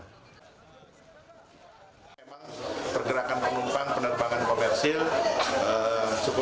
pergerakan penumpang penerbangan komersil